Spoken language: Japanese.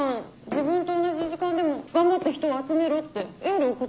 自分と同じ時間でも頑張って人を集めろってエール送ってくれてるんでしょ？